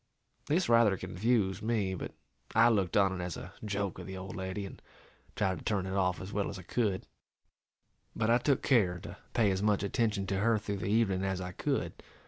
This rather confused me, but I looked on it as a joke of the old lady, and tried to turn it off as well as I could; but I took care to pay as much attention to her through the evening as I could.